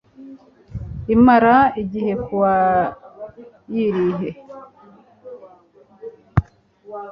imara igihe ku wayirihe